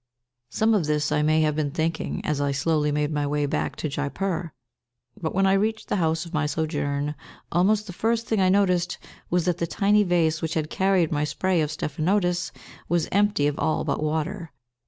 Some of this I may have been thinking, as I slowly made my way back to Jaipur; but, when I reached the house of my sojourn, almost the first thing I noticed was that the tiny vase which had carried my spray of stephanotis was empty of all but water.